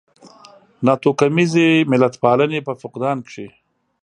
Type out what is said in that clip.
ناتوکمیزې ملتپالنې په فقدان کې.